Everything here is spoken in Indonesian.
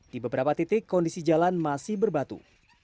di beberapa titik kondisi jalan masih berbatu